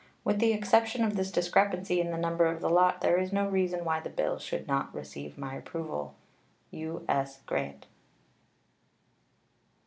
With the exception of this discrepancy in the number of the lot there is no reason why the bill should not receive my approval. U.S. GRANT.